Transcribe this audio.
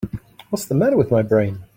What's the matter with my brain?